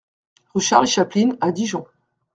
Rue Charlie Chaplin à Dijon